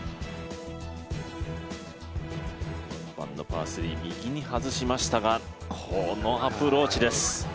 ４番のパー３、右に外しましたが、このアプローチです。